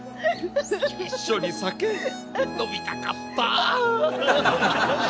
一緒に酒飲みたかった！